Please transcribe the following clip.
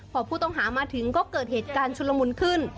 พอผู้ต้องหามาถึงก็เกิดเหตุการณ์ชุลมุนขึ้น